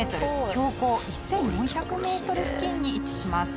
標高１４００メートル付近に位置します。